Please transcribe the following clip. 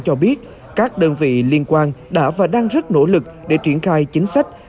cho biết các đơn vị liên quan đã và đang rất nỗ lực để triển khai chính sách